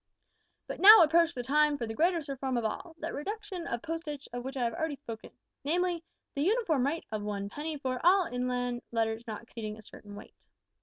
"But now approached the time for the greatest reform of all that reduction of postage of which I have already spoken namely, the uniform rate of one penny for all inland letters not exceeding a certain weight.